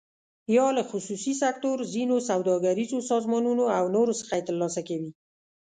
یا له خصوصي سکتور، ځینو سوداګریزو سازمانونو او نورو څخه یې تر لاسه کوي.